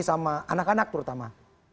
sama anak anak terutama